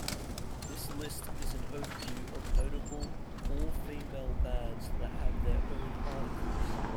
This list is an overview of notable all-female bands that have their own articles.